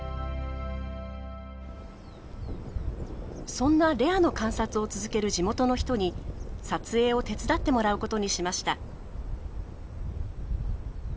そんなレアの観察を続ける地元の人に撮影を手伝ってもらうことにしました。